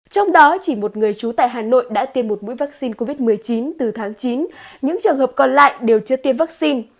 trong đó chỉ một người trú tại hà nội đã tiêm một mũi vaccine covid một mươi chín từ tháng chín những trường hợp còn lại đều chưa tiêm vaccine